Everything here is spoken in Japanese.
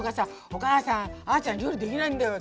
「お母さんあちゃん料理できないんだよ」